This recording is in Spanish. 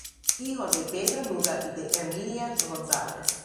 Hijo de Pedro Muga y de Herminia González.